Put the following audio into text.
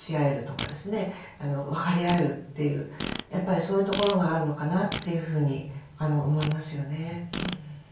分かり合えるというやっぱりそういうところがあるのかなというふうに思いますよね。